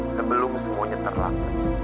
sebelum semuanya terlambat